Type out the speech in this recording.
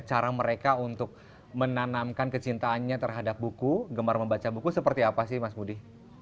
cara mereka untuk menanamkan kecintaannya terhadap buku gemar membaca buku seperti apa sih mas budi